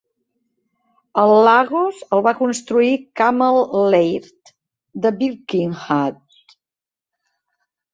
El Lagos el va construir Cammell Laird de Birkenhead.